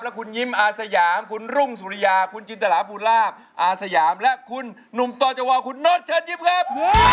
คุณยิ้มอาสยามคุณรุ่งสุริยาคุณจินตราภูลาภอาสยามและคุณหนุ่มต่อจวาคุณโน๊ตเชิญยิ้มครับ